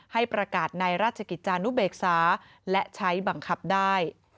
ให้ประกาศในราชกิจจานุเบกษาและใช้บังคับได้